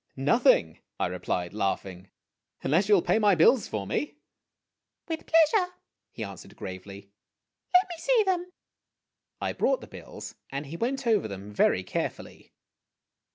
" Nothing," I replied, laughing ;" unless you will pay my bills for me !' "With pleasure," he answered gravely; " let me see them." I brought the bills, and he went over them very carefully.